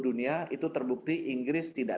dunia itu terbukti inggris tidak